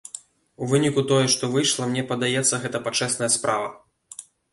У выніку тое, што выйшла, мне падаецца, гэта пачэсная справа.